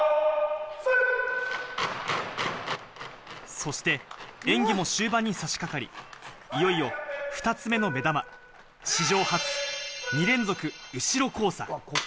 そして演技も終盤にさしかかり、いよいよ２つ目の目玉、史上初、２連続後ろ交差。